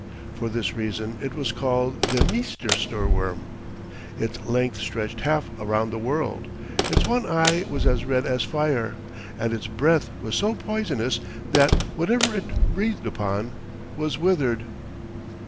For this reason it was called the Meester Stoorworm. Its length stretched half around the world, its one eye was as red as fire, and its breath was so poisonous that whatever it breathed upon was withered.